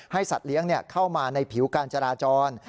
สัตว์เลี้ยงเข้ามาในผิวการจราจร